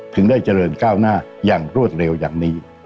ได้เจริญก้าวหน้าอย่างรวดเร็วอย่างนี้